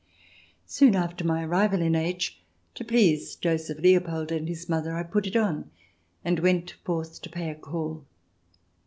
ii Soon after my arrival in H , to please Joseph Leopold and his mother, I put it on, and went forth to pay a call.